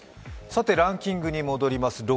ランキングに戻ります。